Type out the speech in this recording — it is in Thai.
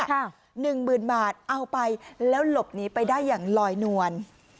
หนึ่งหมื่นบาทเอาไปแล้วหลบหนีไปได้อย่างลอยนวล